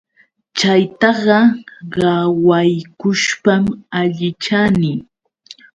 Chaytaqa qawaykushpam allichani.